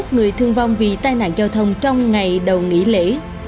hai mươi một người thương vong vì tai nạn giao thông trong ngày đầu nghỉ lễ